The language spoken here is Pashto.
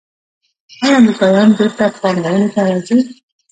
آیا امریکایان بیرته پانګونې ته راځí؟